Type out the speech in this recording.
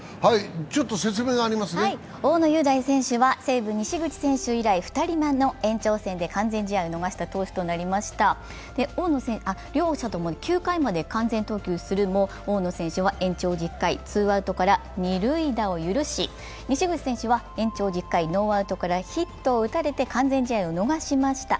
大野雄大選手は西武・西口選手以来、２人目の延長戦で完全試合を逃した投手となりました。両者とも９回まで完全投球するも大野選手は延長１０回、ツーアウトから二塁打を許し、二塁打を許し、西口選手は延長１０回、ノーアウトからヒットを打たれて完全試合を逃しました。